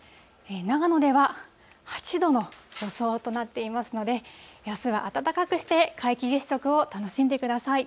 長野では８度の予想となっていますので、あすは暖かくして皆既月食を楽しんでください。